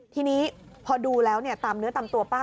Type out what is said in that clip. ทีนี้พอดูแล้วตามเนื้อตามตัวป้า